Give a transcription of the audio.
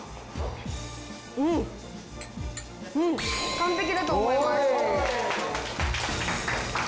完璧だと思います。